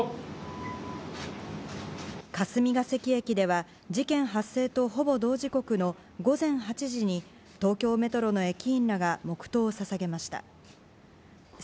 霞ケ関駅では事件発生とほぼ同時刻の午前８時に東京メトロの駅員らが黙祷を捧げました。